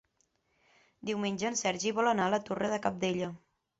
Diumenge en Sergi vol anar a la Torre de Cabdella.